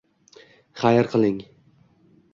Xayr qiling!